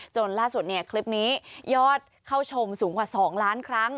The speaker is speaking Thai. จนล่าสุดเนี่ยคลิปนี้ยอดเข้าชมสูงกว่า๒ล้านครั้ง